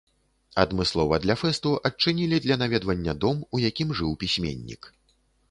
Адмыслова для фэсту адчынілі для наведвання дом, у якім жыў пісьменнік.